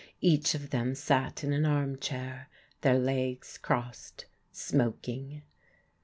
Each of them sat in an armchair, their legs crossed, smoking.